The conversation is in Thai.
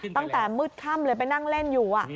ตั้งแต่มืดค่ำเลยไปนั่งเล่นอยู่